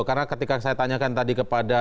karena ketika saya tanyakan tadi kepada